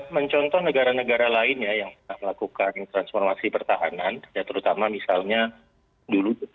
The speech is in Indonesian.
mencontoh negara negara lain ya yang melakukan transformasi pertahanan terutama misalnya dulu